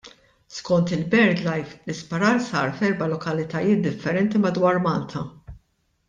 Skont il-Birdlife, l-isparar sar f'erba' lokalitajiet differenti madwar Malta.